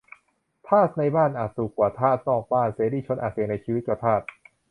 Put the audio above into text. - ทาสในบ้านอาจสุขกว่าทาสนอกบ้าน เสรีชนอาจเสี่ยงในชีวิตกว่าทาส